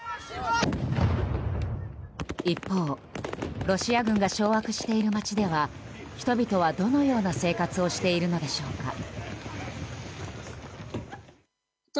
一方、ロシア軍が掌握している街では人々はどのような生活をしているのでしょうか。